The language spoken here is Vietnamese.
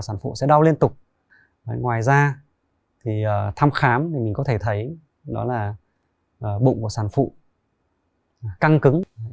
sản phụ sẽ đau liên tục ngoài ra thì thăm khám thì mình có thể thấy đó là bụng của sản phụ căn cứng